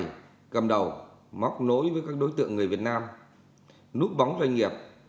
các cơ quan chức năng cầm đầu móc nối với các đối tượng người việt nam núp bóng doanh nghiệp